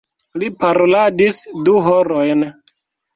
Li paroladis du horojn.